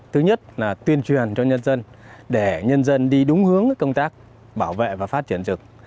thứ nhất là tuyên truyền cho nhân dân để nhân dân đi đúng hướng công tác bảo vệ và phát triển rừng